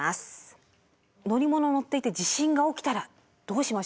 乗り物乗っていて地震が起きたらどうしましょう？